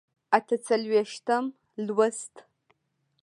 اته څلوېښتم لوست